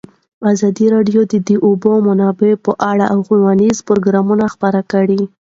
ازادي راډیو د د اوبو منابع په اړه ښوونیز پروګرامونه خپاره کړي.